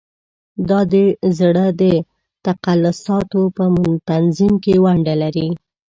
دا د زړه د تقلصاتو په تنظیم کې ونډه لري.